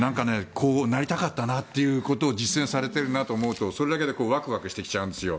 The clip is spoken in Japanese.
こうなりたかったなということを実践されるとそれだけでワクワクしちゃうんですよ。